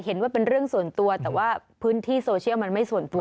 เห็นว่าเป็นเรื่องส่วนตัวแต่ว่าพื้นที่โซเชียลมันไม่ส่วนตัว